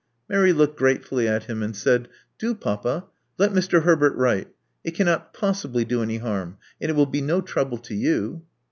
Mary looked gratefully at him, and said, "Do, papa. Let Mr. Herbert write. It cannot possibly do any harm ; and it will be no trouble to you.